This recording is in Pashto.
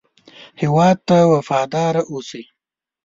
هېواد ته وفاداره اوسئ